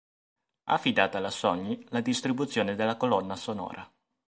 Affidata alla Sony la distribuzione della colonna sonora.